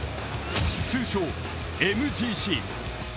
通称、ＭＧＣ。